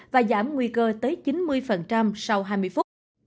và giảm nguy cơ tới chín mươi sau hai mươi phút